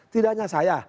tidak hanya saya